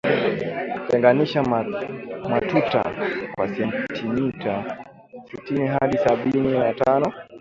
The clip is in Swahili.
Tenganisha matuta kwa sentimita sitini hadi sabini na tano